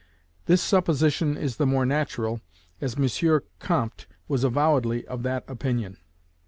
This supposition is the more natural, as M. Comte was avowedly of that opinion.